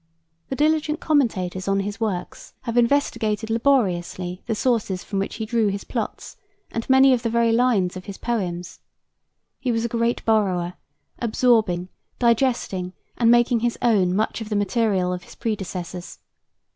The diligent commentators on his works have investigated laboriously the sources from which he drew his plots and many of the very lines of his poems. He was a great borrower; absorbing, digesting, and making his own much of the material of his predecessors.